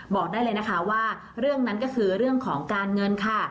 บอกได้เลยนะคะว่าเรื่องนั้นก็คือเรื่องของการเงินค่ะ